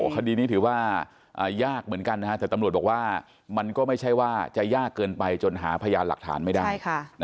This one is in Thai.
คดีนี้ถือว่ายากเหมือนกันแต่ตำรวจบอกว่ามันก็ไม่ใช่ว่าจะยากเกินไปจนหาพยานหลักฐานไม่ได้